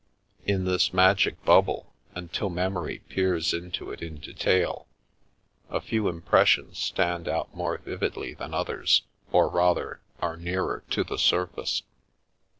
In this magic bubble, until memory peers into it in detail, a few impressions stand out more vividly than others, or rather, are nearer to the surface.